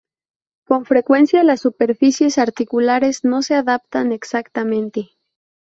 Con frecuencia las superficies articulares no se adaptan exactamente.